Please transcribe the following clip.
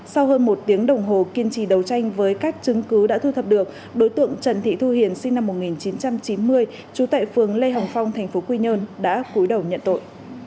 sau hơn một tiếng đồng hồ kiên trì đấu tranh với các chứng cứ đã thu thập được đối tượng trần thị thu hiền sinh năm một nghìn chín trăm chín mươi trú tại phường lê hồng phong tp quy nhơn đã cúi đầu nhận tội